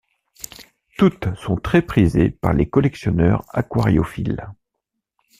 Toutes sont très prisées par les collectionneurs aquariophiles.